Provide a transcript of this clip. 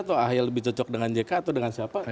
atau ahy lebih cocok dengan jk atau dengan siapa